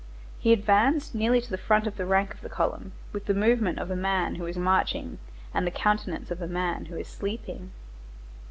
He advanced nearly to the front rank of the column, with the movement of a man who is marching and the countenance of a man who is sleeping.